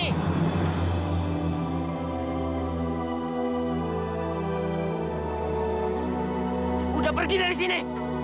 aku udah pergi dari sini